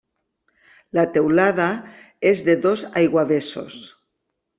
La teulada és de dos aiguavessos.